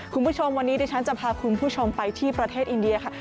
คุณผู้ชมวันนี้ดิฉันจะพาคุณผู้ชมไปที่ประเทศอินเดียค่ะ